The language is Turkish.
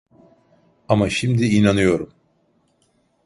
Ama şimdi inanıyorum…